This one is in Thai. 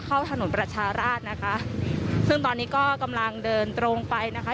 เข้าถนนประชาราชนะคะซึ่งตอนนี้ก็กำลังเดินตรงไปนะคะ